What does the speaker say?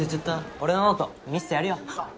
俺のノート見せてやるよ。